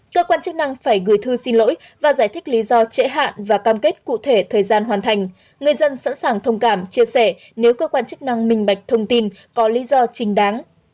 cơ quan chức năng phải gửi thư xin lỗi và giải thích lý do trễ hạn và cam kết cụ thể thời gian hoàn thành người dân sẵn sàng thông cảm chia sẻ nếu cơ quan chức năng minh bạch thông tin có lý do trình đáng